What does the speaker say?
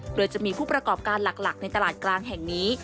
โดยจะมีผู้ประกอบการหลักในตลาดกลางแห่งนี้